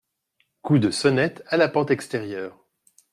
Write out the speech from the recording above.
Coup de sonnette à la porte extérieure.